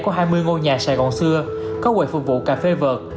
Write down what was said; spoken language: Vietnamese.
có hai mươi ngôi nhà sài gòn xưa có quầy phục vụ cà phê vợt